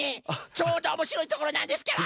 ちょうどおもしろいところなんですから。